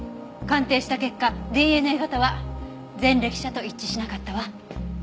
鑑定した結果ＤＮＡ型は前歴者と一致しなかったわ。